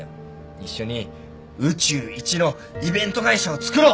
一緒に宇宙一のイベント会社をつくろう！